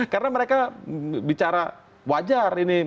karena mereka bicara wajar ini